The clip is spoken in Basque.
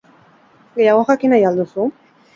Gehiago jakin nahi al duzu?